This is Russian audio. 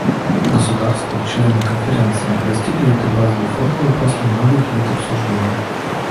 Государства — члены Конференции достигли этой базовой формулы после многих лет обсуждений.